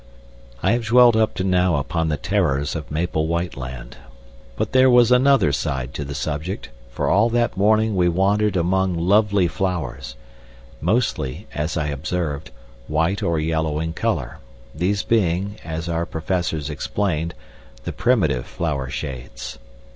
I have dwelt up to now upon the terrors of Maple White Land; but there was another side to the subject, for all that morning we wandered among lovely flowers mostly, as I observed, white or yellow in color, these being, as our professors explained, the primitive flower shades.